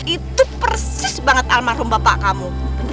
itu persis banget almarhum bapak kamu